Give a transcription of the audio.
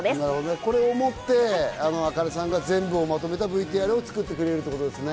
これをもって、ａｋａｎｅさんがまとめたＶＴＲを作ってくれるということですね。